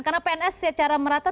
karena pns secara merata